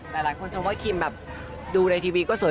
หลายคนชอบว่าคิมดูในทีวีสวย